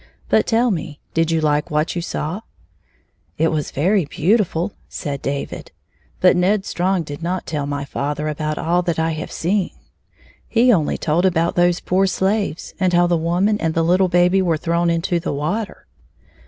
But tell me, did you like what you saw ?" "It was very beautiftJ," said David. "But Ned Strong did not tell my father about all that I have seen. He only told about those poor slaves, and how the woman and the little baby were thrown into the water.